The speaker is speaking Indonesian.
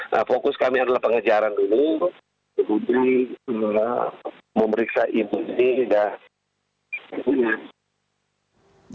nah fokus kami adalah pengejaran dulu kemudian memperiksa ibu ini dan kemudian